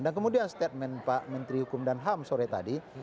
dan kemudian statement pak menteri hukum dan ham sore tadi